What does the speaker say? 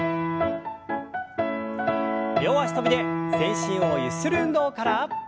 両脚跳びで全身をゆする運動から。